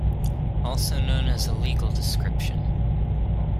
Also known as a "Legal Description".